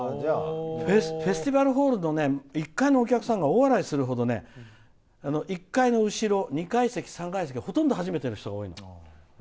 フェスティバルホールの１階のお客さんが大笑いするほど１階の後ろ、２階席、３階席ほとんど始めての人が多いの。